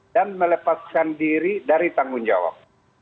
dan melepaskan diri dari tanggung jawab